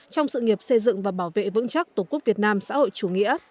trong sự nghiệp xây dựng và bảo vệ vững chắc tổ quốc việt nam xã hội chủ nghĩa